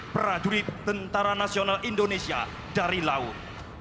prajurit tentara nasional indonesia dari laut